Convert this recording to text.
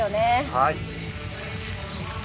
はい。